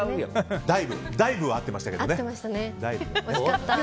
ダイブは合ってましたけど。